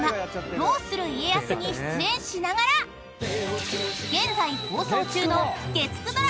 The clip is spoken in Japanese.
『どうする家康』に出演しながら現在放送中の］